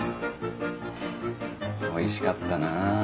おいしかったなあ。